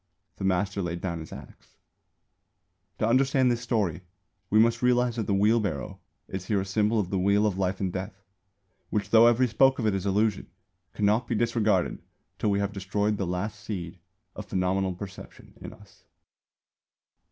The master laid down his axe. To understand this story we must realise that the wheel barrow is here a symbol of the Wheel of Life and Death, which, though every spoke of it is illusion, cannot be disregarded till we have destroyed the last seed of phenomenal perception in us.